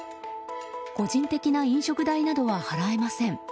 個人的な飲食代などは払えません。